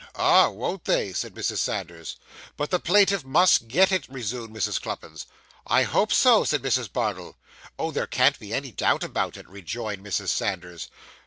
'Ah! won't they!' said Mrs. Sanders. 'But the plaintiff must get it,' resumed Mrs. Cluppins. 'I hope so,' said Mrs. Bardell. 'Oh, there can't be any doubt about it,' rejoined Mrs. Sanders.